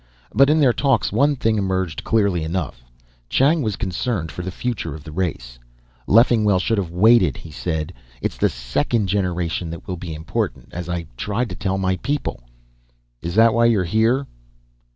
But in their talks, one thing emerged clearly enough Chang was concerned for the future of the race. "Leffingwell should have waited," he said. "It's the second generation that will be important. As I tried to tell my people " "Is that why you're here?"